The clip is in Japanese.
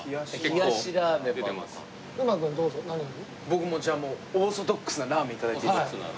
僕じゃあもうオーソドックスなラーメン頂いていいですか？